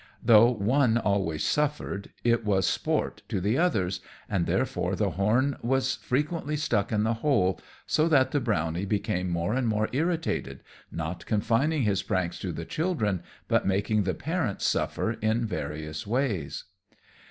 Though one always suffered, it was sport to the others, and therefore the horn was frequently stuck in the hole, so that the brownie became more and more irritated, not confining his pranks to the children, but making the parents suffer in various ways.